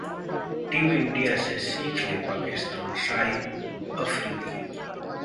team India से सीख ले पाकिस्तानः शाहिद अफरीदी